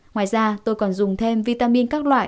ngoài ra tôi còn dùng thêm vitamin các loại